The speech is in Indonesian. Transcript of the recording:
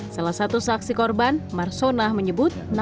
salah satu saksi korban marsona menyebut nama syahrini